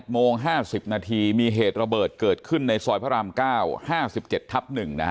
๘โมง๕๐นาทีมีเหตุระเบิดเกิดขึ้นในสอยพระรามเก้า๕๗๑นะครับ